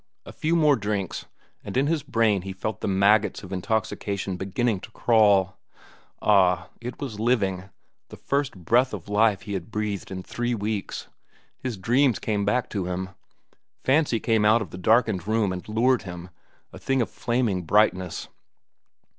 A few more drinks, and in his brain he felt the maggots of intoxication beginning to crawl. Ah, it was living, the first breath of life he had breathed in three weeks. His dreams came back to him. Fancy came out of the darkened room and lured him on, a thing of flaming brightness.